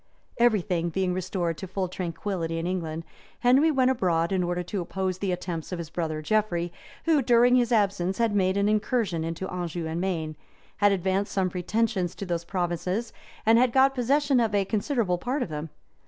{1156.} Everything being restored to full tranquillity in England, Henry went abroad in order to oppose the attempts of his brother Geoffrey, who, during his absence, had made an incursion into Anjou and Maine, {1157.} had advanced some pretensions to those provinces, and had got possession of a considerable part of them.